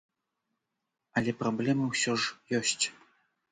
Але праблемы ўсё ж ёсць.